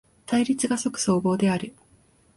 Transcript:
対立が即綜合である。